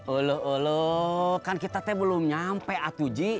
oloh oloh kan kita belum nyampe atuji